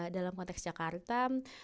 dalam konteks jakarta